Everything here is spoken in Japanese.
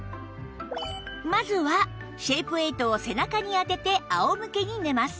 まずはシェイプエイトを背中に当てて仰向けに寝ます